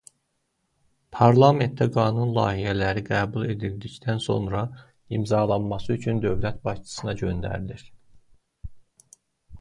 Parlamentdə qanun layihələri qəbul edildikdən sonra imzalanması üçün dövlət başçısına göndərilir.